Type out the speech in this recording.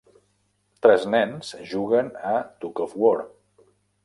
Tres nens juguen a Tug of Wor.